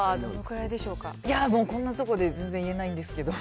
いやもう、こんなところで全然言えないんですけど。